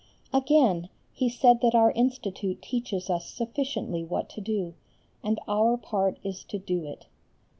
Again, he said that our Institute teaches us sufficiently what to do, and our part is to do it.